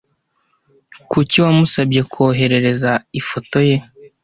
Kuki wamusabye koherereza ifoto ye?